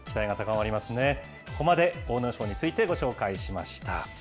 ここまで、阿武咲についてご紹介しました。